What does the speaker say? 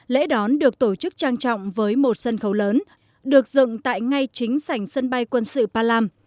lễ đón được tổ chức trang trọng với một sân khấu lớn được dựng tại ngay chính sảnh sân bay quân sự palam